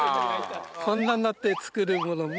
こんなんなって作るものも。